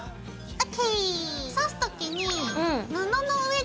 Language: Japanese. ＯＫ。